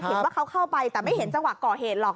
เห็นว่าเขาเข้าไปแต่ไม่เห็นจังหวะก่อเหตุหรอก